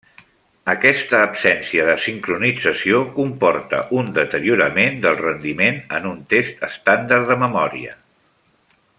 Aquesta absència de sincronització comporta un deteriorament del rendiment en un test estàndard de memòria.